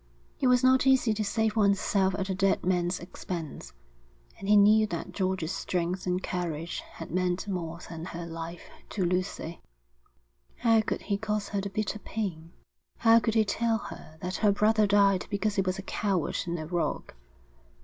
It was not easy to save one's self at a dead man's expense. And he knew that George's strength and courage had meant more than her life to Lucy. How could he cause her the bitter pain? How could he tell her that her brother died because he was a coward and a rogue?